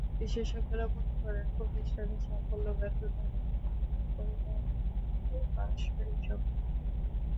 বিশেষজ্ঞরা মনে করেন, প্রতিষ্ঠানের সাফল্য-ব্যর্থতা অনেকখানি নির্ভর করে কর্মীদের পারস্পরিক সম্পর্কের ওপর।